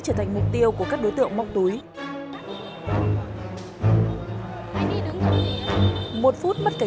thế trong này không còn tiền à